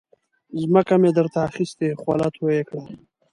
ځمکه مې در ته اخستې خوله تویه کړه.